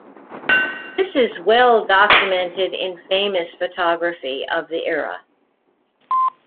This is well documented in famous photography of the era.